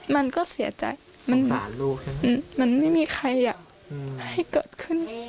มันก็เสียใจมันไม่มีใครอยากให้เกิดขึ้น